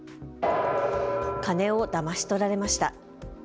金をだまし取られました。